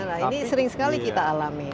nah ini sering sekali kita alami